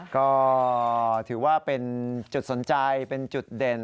ก็ถือว่าเป็นจุดสนใจเป็นจุดเด่น